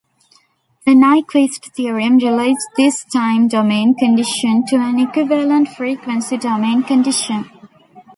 The Nyquist theorem relates this time-domain condition to an equivalent frequency-domain condition.